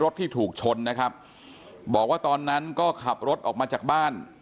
ที่ถูกชนนะครับบอกว่าตอนนั้นก็ขับรถออกมาจากบ้าน